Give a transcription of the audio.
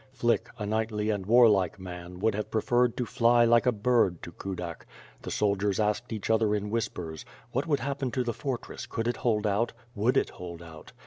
Flick, a knightly and warlike man, would have pre ferred to fly, like a bird, to Kudak; the soldiers asked each other in whispers. What would happen to the fortress, could it hold out? Would it hold out?